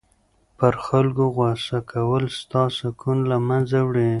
پر خلکو غصه کول ستا سکون له منځه وړي.